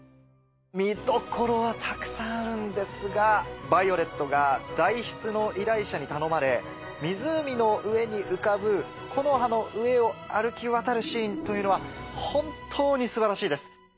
見どころはたくさんあるんですがヴァイオレットが代筆の依頼者に頼まれ湖の上に浮かぶ木の葉の上を歩き渡るシーンというのは本当に素晴らしいです。